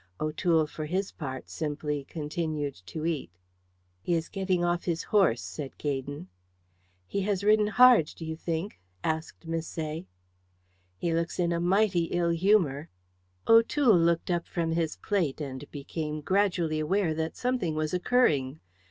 O'Toole, for his part, simply continued to eat. "He is getting off his horse," said Gaydon. "Has he ridden hard, do you think?" asked Misset. "He looks in a mighty ill humour." O'Toole looked up from his plate, and became gradually aware that something was occurring.